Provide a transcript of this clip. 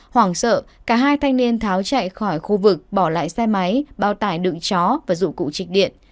hoảng sợ cả hai thanh niên tháo chạy khỏi khu vực bỏ lại xe máy bao tải đựng chó và dụng cụ trịch điện